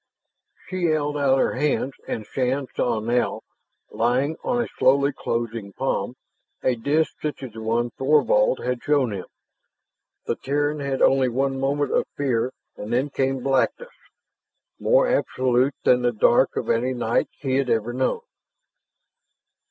She held out her hands and Shann saw now, lying on a slowly closing palm, a disk such as the one Thorvald had shown him. The Terran had only one moment of fear and then came blackness, more absolute than the dark of any night he had ever known.